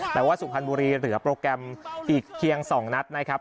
แต่ว่าสุพรรณบุรีเหลือโปรแกรมอีกเพียง๒นัดนะครับ